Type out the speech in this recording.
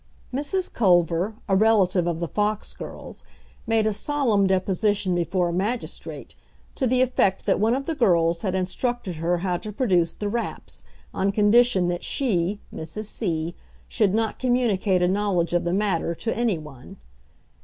Mrs. Culver, a relative of the Fox girls, made a solemn deposition before a magistrate, to the effect that one of the girls had instructed her how to produce the "raps," on condition that she (Mrs. C.) should not communicate a knowledge of the matter to any one.